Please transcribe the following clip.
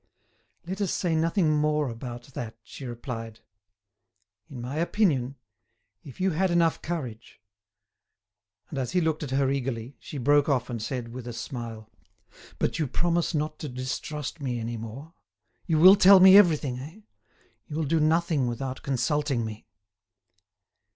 "Let us say nothing more about that," she replied. "In my opinion, if you had enough courage——" And as he looked at her eagerly, she broke off and said, with a smile: "But you promise not to distrust me any more? You will tell me everything, eh? You will do nothing without consulting me?"